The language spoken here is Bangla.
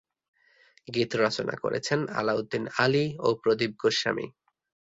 গীত রচনা করেছেন আলাউদ্দিন আলী ও প্রদীপ গোস্বামী।